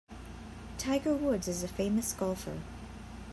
Tiger Woods is a famous golfer.